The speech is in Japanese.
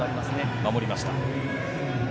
守りました。